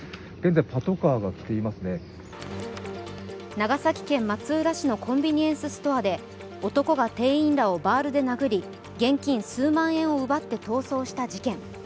長崎県松浦市のコンビニエンスストアで男が店員らをバールで殴り、現金数万円を奪って逃走した事件。